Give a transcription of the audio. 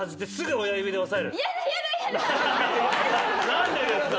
何でですか？